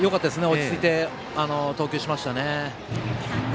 落ち着いて投球しましたね。